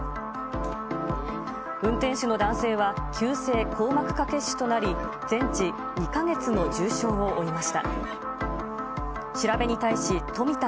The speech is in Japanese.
運転手の男性は、急性硬膜下血腫となり、全治２か月の重傷を負いました。